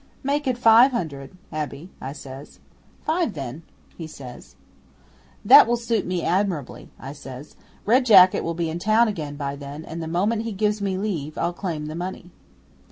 '"Make it five hundred, Abbe," I says. '"Five, then," says he. '"That will suit me admirably," I says. "Red Jacket will be in town again by then, and the moment he gives me leave I'll claim the money."